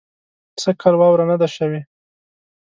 سږ کال واوره نۀ ده شوې